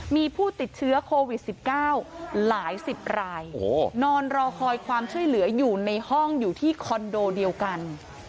มีผู้ติดเชื้อโควิด๑๙หลายสิบรายนอนรอคอยความช่วยเหลืออยู่ในห้องอยู่ที่คอนโดเดียวกัน